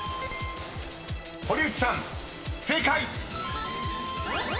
［堀内さん正解！］